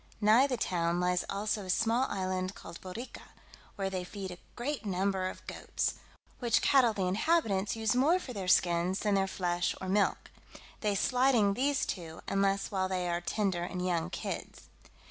Nigh the town lies also a small island called Borrica, where they feed great numbers of goats, which cattle the inhabitants use more for their skins than their flesh or milk; they slighting these two, unless while they are tender and young kids.